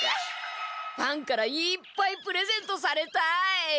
ファンからいっぱいプレゼントされたい！